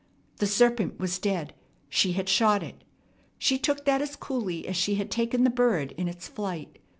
The serpent was dead. She had shot it. She took that as coolly as she had taken the bird in its flight.